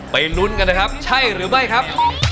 ลุ้นกันนะครับใช่หรือไม่ครับ